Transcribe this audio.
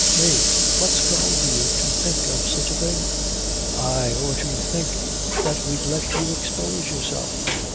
Mave what's come over you, to think of sich a thing? ay, or to think that we'd let you expose yourself?